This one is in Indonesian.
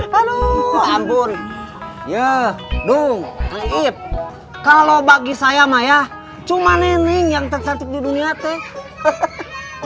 halus ampun ya dong kalau bagi saya maya cuma nenek yang tercantik di dunia teks